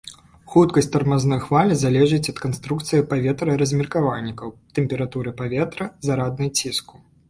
Хуткасць тармазной хвалі залежыць ад канструкцыі паветраразмеркавальнікаў, тэмпературы паветра, зараднай ціску.